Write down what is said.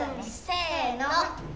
せの。